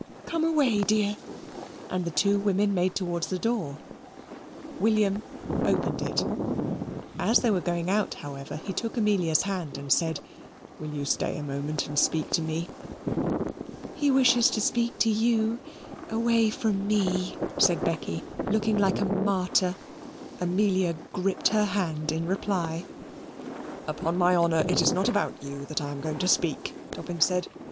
Come away, dear." And the two women made towards the door. William opened it. As they were going out, however, he took Amelia's hand and said "Will you stay a moment and speak to me?" "He wishes to speak to you away from me," said Becky, looking like a martyr. Amelia gripped her hand in reply. "Upon my honour it is not about you that I am going to speak," Dobbin said.